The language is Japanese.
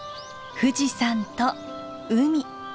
富士山と海。